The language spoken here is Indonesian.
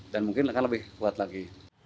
dan mungkin akan lebih kuat lagi